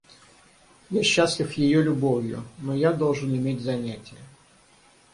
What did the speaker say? Я счастлив ее любовью, но я должен иметь занятия.